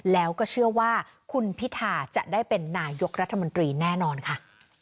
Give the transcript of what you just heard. แล้วก็เชื่อว่าคุณพิธาจะได้เป็นนายกรัฐมนตรีแน่นอนค่ะ